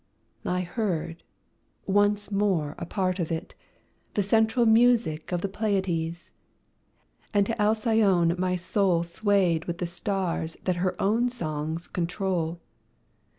I heard once more a part of it The central music of the Pleiades, And to Alcyone my soul Swayed with the stars that own her song's control.